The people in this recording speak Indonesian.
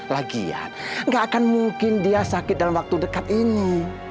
lagian gak akan mungkin dia sakit dalam waktu dekat ini